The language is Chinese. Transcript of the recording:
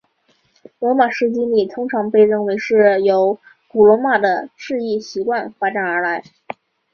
罗马式敬礼通常被认为是由古罗马的致意习惯发展而来。